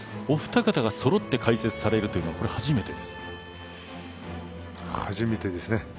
お二方が揃って解説されるというのは初めてですね。